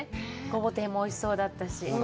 ゴボ天もおいしそうだったし。